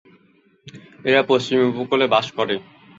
এরা পশ্চিম উপকূলে বাস করে।